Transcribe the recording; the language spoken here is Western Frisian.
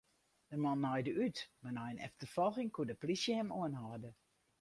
De man naaide út, mar nei in efterfolging koe de polysje him oanhâlde.